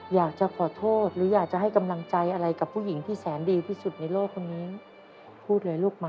อยากจะขอโทษหรืออยากจะให้กำลังใจอะไรกับผู้หญิงที่แสนดีที่สุดในโลกคนนี้พูดเลยลูกมา